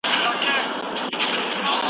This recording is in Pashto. موږ باید د تېر تاريخ پانګه حرامه ونه بولو.